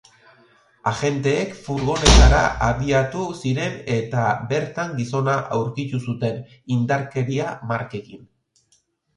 Agenteek furgonetara abiatu ziren eta bertan gizona aurkitu zuten, indarkeria markekin.